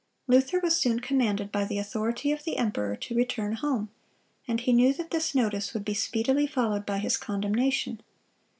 Luther was soon commanded by the authority of the emperor to return home, and he knew that this notice would be speedily followed by his condemnation.